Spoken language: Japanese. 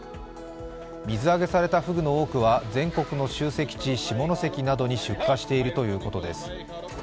水揚げされたふぐの多くは全国の集積地下関などに出荷しているということです。